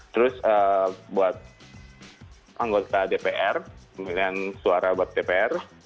terus buat anggota dpr pemilihan suara buat dpr